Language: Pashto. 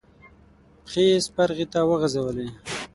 پښې يې سپرغې ته وغزولې.